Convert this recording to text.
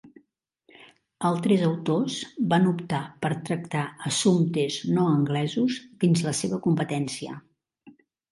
Altres autors van optar per tractar assumptes no anglesos dins la seva competència.